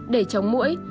để chống mũi